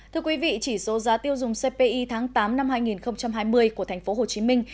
thưa quý vị chỉ số giá tiêu dùng cpi tháng tám năm hai nghìn hai mươi của thành phố hồ chí minh